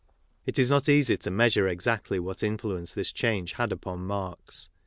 It is not easy to measure exactly what influence this change had upon Marx.